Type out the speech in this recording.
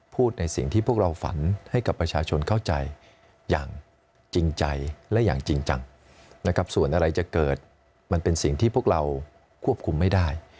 พูดในสิ่งที่พวกเราฝันให้กับประชาชนเข้าใจอย่างจริงใจและอย่างจริงจังนะครับส่วนอะไรจะเกิดมันเป็นสิ่งที่พวกเราควบคุมไม่ได้